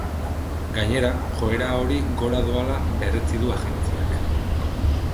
Gainera, joera hori gora doala berretsi du agentziak.